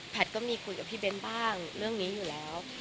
ก็มีคุยกับพี่เบ้นบ้างเรื่องนี้อยู่แล้ว